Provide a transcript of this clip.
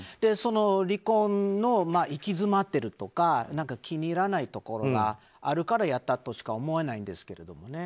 離婚が行き詰っているとか気に入らないところがあるからやったとしか思えないんですけれどもね。